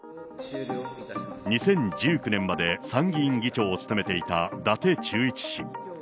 ２０１９年まで参議院議長を務めていた伊達忠一氏。